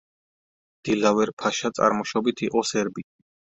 დილავერ-ფაშა წარმოშობით იყო სერბი.